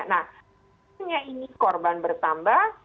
nah ini korban bertambah